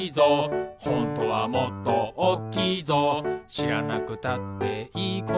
「しらなくたっていいことだけど」